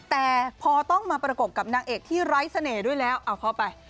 แต่พอต้องมาประกบกับนางเอกที่ไร้เสน่ห์ด้วยแล้วเอาเข้าไป